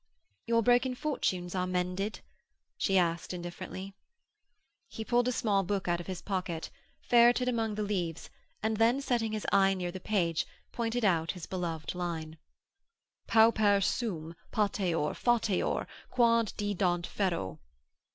'Your broken fortunes are mended?' she asked indifferently. He pulled a small book out of his pocket, ferreted among the leaves and then setting his eye near the page pointed out his beloved line: '_Pauper sum, pateor, fateor, quod Di dant fero.